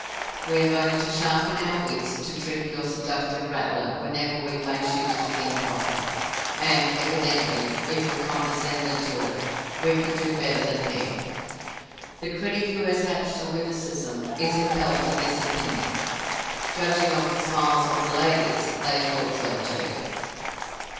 We have only to sharpen our wits to trip your seductive rattler whenever we may choose to think proper; and evidently, if we condescended to it, we could do better than he. The critic who has hatched a witticism is impelled to this opinion. Judging by the smiles of the ladies, they thought so, too.